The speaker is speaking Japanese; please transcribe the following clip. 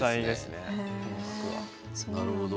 なるほど。